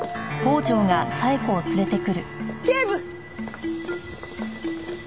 警部！